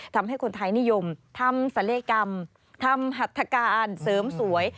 ทำให้คนไทยนิยมทำศัลยกรรมทำหัตถการเสริมสวย